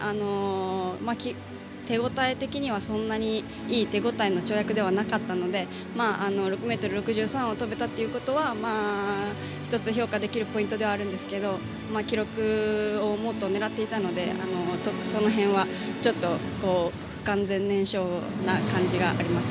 手応え的にはそんなにいい手応えの跳躍ではなかったので６ｍ６３を跳べたということは１つ評価できるポイントではあるんですが記録をもっと狙っていたのでその辺はちょっと不完全燃焼な感じがあります。